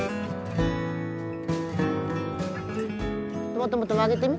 もっともっと曲げてみ。